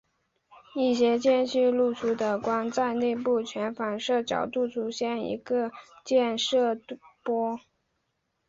一些间隙漏出的光在内部全反射角度出现一个渐逝波。